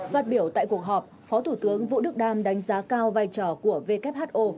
phát biểu tại cuộc họp phó thủ tướng vũ đức đam đánh giá cao vai trò của who